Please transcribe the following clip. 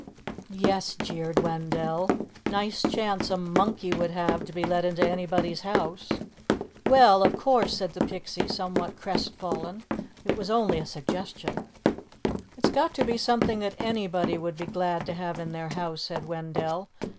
"Yes!" jeered Wendell. "Nice chance a monkey would have to be let into anybody's house." "Well, of course," said the Pixie, somewhat crestfallen, "it was only a suggestion." "It's got to be something that anybody would be glad to have in their house," said Wendell.